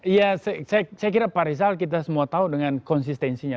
ya saya kira pak rizal kita semua tahu dengan konsistensinya